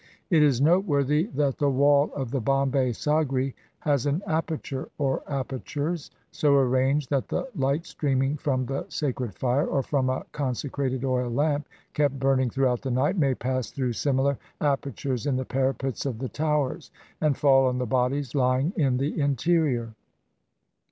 It is noteworthy that the wall of the Bombay Sagri has an aperture or apertures, so arranged that the light streaming from the sacred fire, or from a consecrated oil lamp, kept burning throughout the night, may pass through similar aper tures in the parapets of the towers, and fall on the bodies lying in the interior.